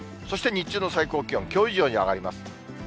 そして日中の最高気温、きょう以上に上がります。